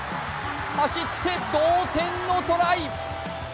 走って同点のトライ。